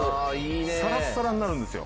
サラッサラになるんですよ。